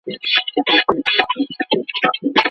ولي هڅاند سړی د ذهین سړي په پرتله لوړ مقام نیسي؟